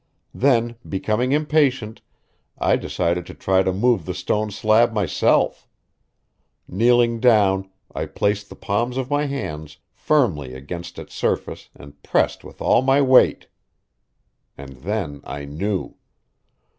Then, becoming impatient, I decided to try to move the stone slab myself. Kneeling down, I placed the palms of my hands firmly against its surface and pressed with all my weight. And then I knew.